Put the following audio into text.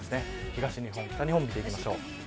東日本、北日本を見ていきましょう。